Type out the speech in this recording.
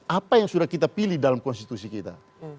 apa yang sudah kita pilih dalam konstitusi kita